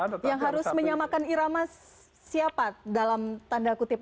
yang harus menyamakan irama siapa dalam tanda kutip